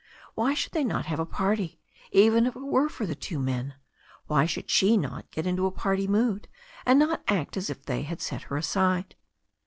Why should they not have a party, even if it were for the two men? Why should she not get into a party mood, and not act as if they had set her aside?